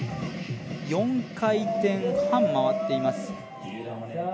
４回転半回っています。